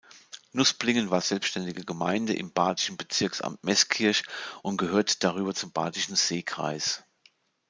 Nusplingen war selbstständige Gemeinde im badischen Bezirksamt Meßkirch und gehört darüber zum Badischen Seekreis.